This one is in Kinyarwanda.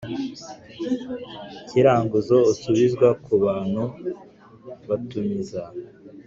Kiranguzo Usubizwa Ku Bantu Batumiza